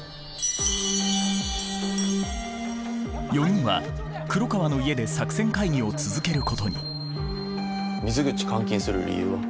４人は黒川の家で作戦会議を続けることに水口監禁する理由は？